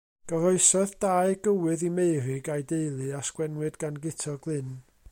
Goroesodd dau gywydd i Meurig a'i deulu a sgwennwyd gan Guto'r Glyn.